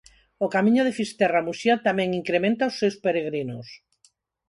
O Camiño de Fisterra a Muxía tamén incrementa os seus peregrinos.